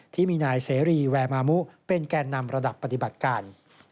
ที่มีนายเสรีแวร์มามุเป็นแก่นำระดับปฏิบัติการ